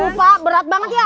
gupa berat banget ya